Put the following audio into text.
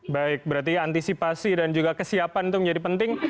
baik berarti antisipasi dan juga kesiapan itu menjadi penting